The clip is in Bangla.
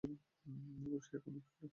এবং সে এখনও করে।